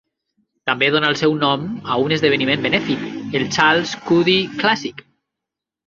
També dona el seu nom a un esdeveniment benèfic, el Charles Coody Classic.